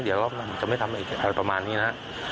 เดี๋ยวเราไม่ได้ก็ประมาณนี้นะ